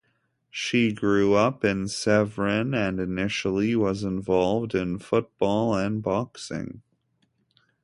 She grew up in Sevran and initially was involved in football and boxing.